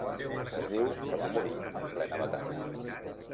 Es diu que va morir en plena batalla.